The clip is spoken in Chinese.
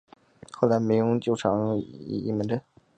后来民军就常用阴门阵。